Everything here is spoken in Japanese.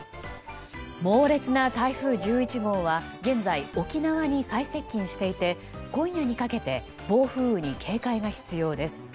猛烈な台風１１号は現在、沖縄に最接近していて今夜にかけて暴風雨に警戒が必要です。